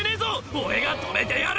「俺が止めてやる！